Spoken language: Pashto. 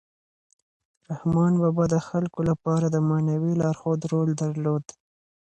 رحمان بابا د خلکو لپاره د معنوي لارښود رول درلود.